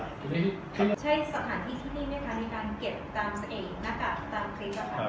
ใช่สถานที่ที่นี่มั้ยคะในการเก็บตามเสียงหน้ากากตามคลิปหรือเปล่า